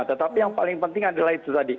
tetapi yang paling penting adalah itu tadi